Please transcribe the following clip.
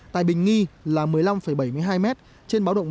tại bình nghi là một mươi năm bảy mươi hai m trên báo động một là hai mươi hai m